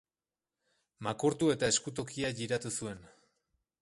Makurtu eta eskutokia jiratu zuen.